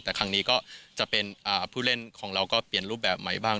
แต่ครั้งนี้ก็จะเป็นผู้เล่นของเราก็เปลี่ยนรูปแบบใหม่บ้าง